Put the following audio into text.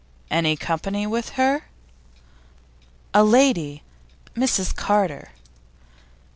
'Any company with her?' 'A lady Mrs Carter.